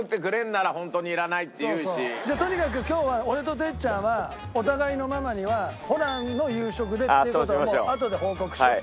とにかく今日は俺と哲ちゃんはお互いのママにはホランの夕食でっていう事をもうあとで報告しよう。